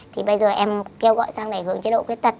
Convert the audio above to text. thì bây giờ em kêu gọi sang này hưởng chế độ khuyết tật